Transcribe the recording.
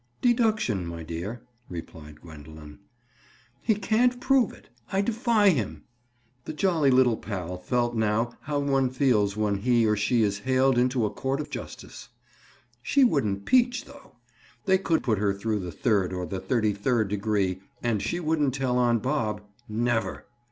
"Deduction, my dear," replied Gwendoline. "He can't prove it. I defy him." The jolly little pal felt now how one feels when he or she is haled into a court of justice. She wouldn't "peach" though. They could put her through the third or the thirty third degree and she wouldn't tell on Bob. Never!